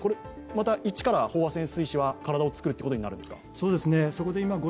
またいちから飽和潜水士は体を作ることになるんですか。